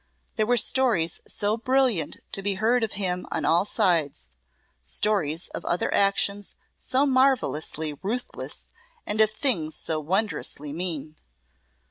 There were stories so brilliant to be heard of him on all sides, stories of other actions so marvellously ruthless and of things so wondrously mean.